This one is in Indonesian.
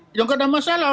tidak ada masalah